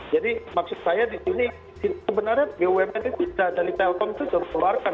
jadi maksud saya di sini sebenarnya bumn itu sudah dari telkom itu sudah dikeluarkan